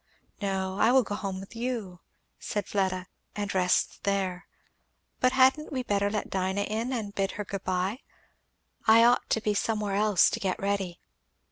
"No, I will go home with you," said Fleda, "and rest there. But hadn't we better let Dinah in and bid her good bye? for I ought to be somewhere else to get ready."